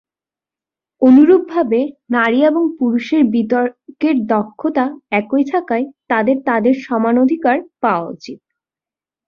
অনুরূপভাবে, নারী এবং পুরুষের বিতর্কের দক্ষতা একই থাকায় তাদের তাদের সমান অধিকার পাওয়া উচিত।